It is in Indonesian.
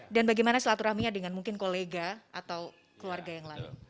dan bagaimana silaturahminya dengan mungkin kolega atau keluarga yang lain